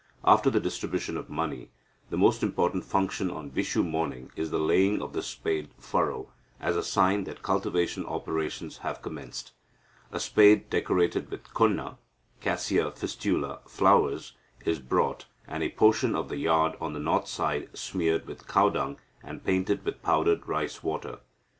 After the distribution of money, the most important function on Vishu morning is the laying of the spade furrow, as a sign that cultivation operations have commenced. A spade decorated with konna (Cassia Fistula) flowers, is brought, and a portion of the yard on the north side smeared with cow dung, and painted with powdered rice water.